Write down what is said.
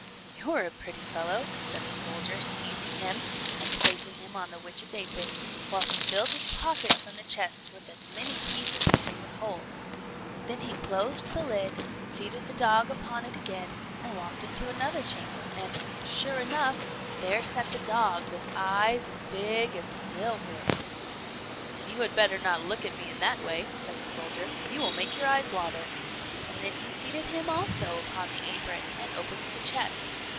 "You're a pretty fellow," said the soldier, seizing him, and placing him on the witch's apron, while he filled his pockets from the chest with as many pieces as they would hold. Then he closed the lid, seated the dog upon it again, and walked into another chamber, And, sure enough, there sat the dog with eyes as big as mill wheels. "You had better not look at me in that way," said the soldier; "you will make your eyes water;" and then he seated him also upon the apron, and opened the chest.